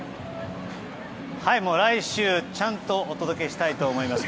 来週ちゃんとお届けしたいと思います。